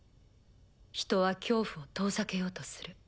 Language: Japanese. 人は恐怖を遠ざけようとする。